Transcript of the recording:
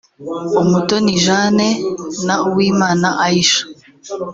Umutoni Jane na Uwimana Aisha